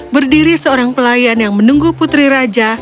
berdiri seorang pelayan yang menunggu putri raja